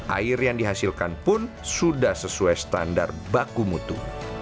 air yang dihasilkan pun sudah sesuai standar baku mutu